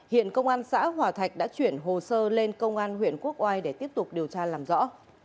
hiện công an xã hòa thạch đã chuyển hồ sơ lên công an huyện quốc oai để tiếp tục điều tra làm rõ